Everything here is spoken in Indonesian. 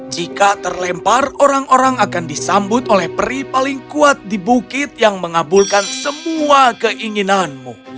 jika terlempar orang orang akan disambut oleh peri paling kuat di bukit yang mengabulkan semua keinginanmu